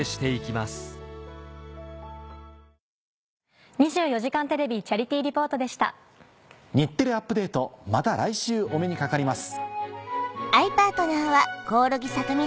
また来週お目にかかります。